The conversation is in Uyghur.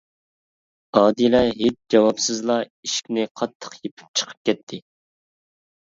ئادىلە ھېچ جاۋابسىزلا ئىشىكنى قاتتىق يېپىپ چىقىپ كەتتى.